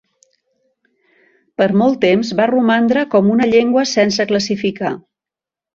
Per molt temps va romandre com una llengua sense classificar.